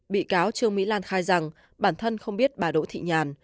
bị cáo trương mỹ lan khai rằng bản thân không biết bà đỗ thị nhàn